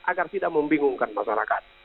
agar tidak membingungkan masyarakat